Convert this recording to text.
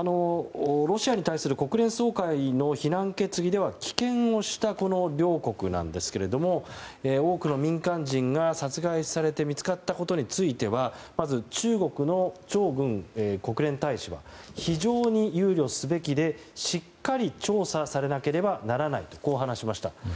ロシアに対する国連総会の非難決議では棄権をしたこの両国なんですけれども多くの民間人が殺害されて見つかったことについてはまず、中国のチョウ・グン国連大使は非常に憂慮すべきで、しっかり調査されなければならないとこう話しました。